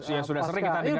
yang sudah sering kita dengar